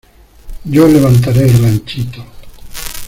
Yo levantaré el ranchito.